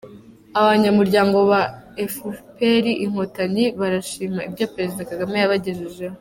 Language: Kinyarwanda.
Abanyamuryango ba efuperi Inkotanyi barashima ibyo Perezida Kagame yabagejejeho